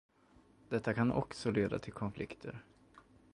Detta kan också leda till konflikter.